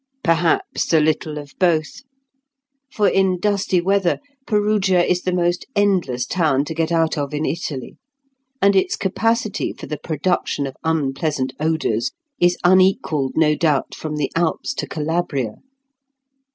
Perhaps a little of both; for in dusty weather Perugia is the most endless town to get out of in Italy; and its capacity for the production of unpleasant odours is unequalled no doubt from the Alps to Calabria.